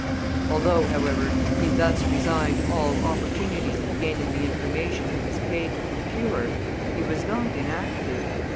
Although, however, he thus resigned all opportunities of gaining the information he was paid to procure, he was not inactive.